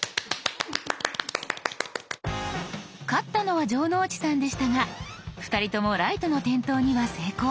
勝ったのは城之内さんでしたが２人ともライトの点灯には成功。